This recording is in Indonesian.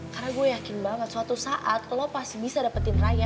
karena gue yakin banget suatu saat lo pasti bisa dapetin raya